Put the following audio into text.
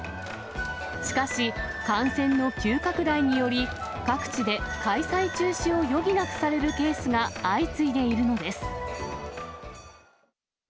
しかし感染の急拡大により、各地で開催中止を余儀なくされるケースが相次いでいるのです。